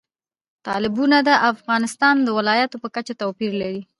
تالابونه د افغانستان د ولایاتو په کچه توپیر لري.